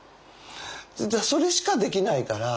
それしかできないから。